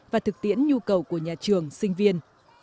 và thực tiễn nhu cầu của nhà trường sinh viên